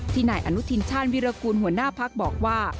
นายอนุทินชาญวิรากูลหัวหน้าพักบอกว่า